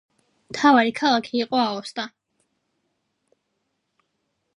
მთავარი ქალაქი იყო აოსტა.